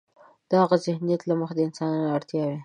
د هاغه ذهنیت له مخې د انسانانو اړتیاوې.